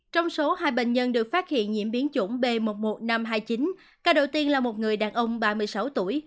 trong số hai bệnh nhân được phát hiện nhiễm biến chủng b một mươi một nghìn năm trăm hai mươi chín ca đầu tiên là một người đàn ông ba mươi sáu tuổi